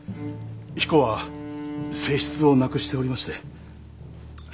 彦は正室を亡くしておりまして。